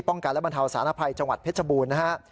การและบรรเทาสารภัยจังหวัดเพชรบูรณ์นะฮะ